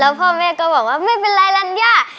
พ่อแม่ก็บอกว่าไม่เป็นไรรัญญา